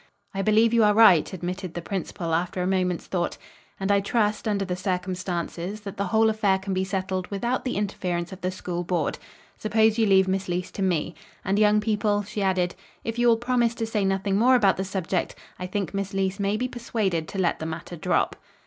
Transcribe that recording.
"I believe you are right," admitted the principal after a moment's thought, "and I trust, under the circumstances, that the whole affair can be settled without the interference of the School Board. Suppose you leave Miss Leece to me. And young people," she added, "if you will promise to say nothing more about the subject, I think Miss Leece may be persuaded to let the matter drop."